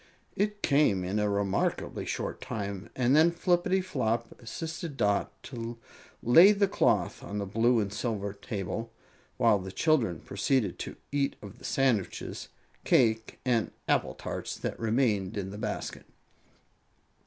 It came in a remarkably short time, and then Flippityflop assisted Dot to lay the cloth on the blue and silver table, while the children proceeded to eat of the sandwiches, cake and apple tarts that remained in the basket.